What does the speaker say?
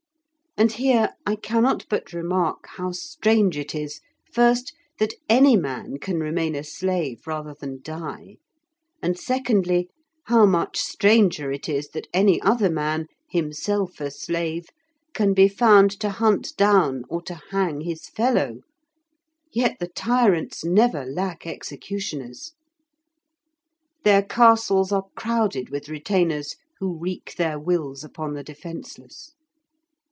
And here I cannot but remark how strange it is, first, that any man can remain a slave rather than die; and secondly, how much stranger it is that any other man, himself a slave, can be found to hunt down or to hang his fellow; yet the tyrants never lack executioners. Their castles are crowded with retainers who wreak their wills upon the defenceless.